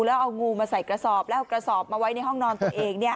แล้วเอางูมาใส่กระสอบแล้วเอากระสอบมาไว้ในห้องนอนตัวเอง